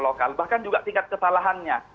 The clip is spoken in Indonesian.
lokal bahkan juga tingkat kesalahannya